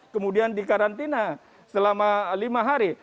kemudian di karantina selama lima hari